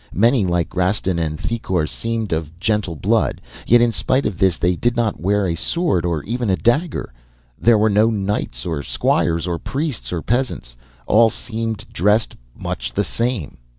Many, like Rastin and Thicourt, seemed of gentle blood, yet, in spite of this, they did not wear a sword or even a dagger. There were no knights or squires, or priests or peasants. All seemed dressed much the same.